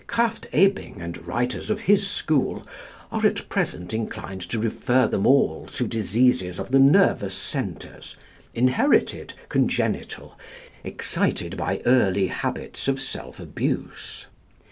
Krafft Ebing and writers of his school are at present inclined to refer them all to diseases of the nervous centres, inherited, congenital, excited by early habits of self abuse.